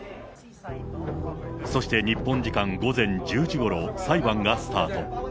そして、日本時間午前１０時ごろ、裁判がスタート。